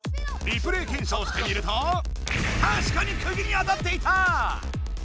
リプレー検証してみるとたしかにクギに当たっていた！